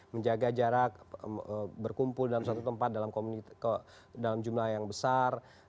menjaga jarak berkumpul dalam satu tempat dalam jumlah yang besar